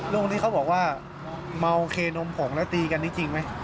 ลูกนี้เขาบอกว่าเมาเคนมผงแล้วตีกันนี้จริงไหม